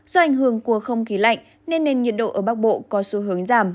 do ảnh hưởng của không khí lạnh nên nền nhiệt độ ở bắc bộ có xu hướng giảm